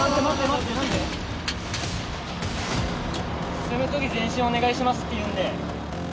進む時「前進お願いします」って言うので。